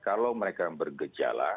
kalau mereka yang bergejala